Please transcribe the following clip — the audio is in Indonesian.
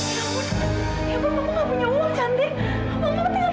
ya ampun aku gak punya uang cantik